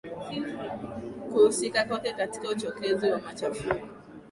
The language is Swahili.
kuhusika kwake katika uchokezi wa machafuko